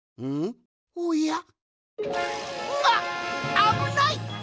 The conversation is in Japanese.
あぶない！